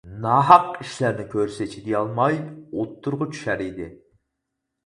ناھەق ئىشلارنى كۆرسە چىدىيالماي ئۇتتۇرىغا چۈشەر ئىدى.